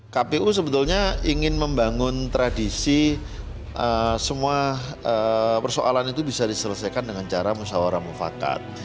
kpu sebetulnya ingin membangun tradisi semua persoalan itu bisa diselesaikan dengan cara musyawarah mufakat